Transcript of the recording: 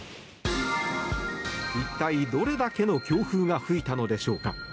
一体どれだけの強風が吹いたのでしょうか。